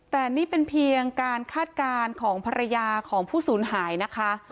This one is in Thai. แต่นี่เป็นเพียงการคาดการณ์ของภรรยาของผู้สูญหายนะคะ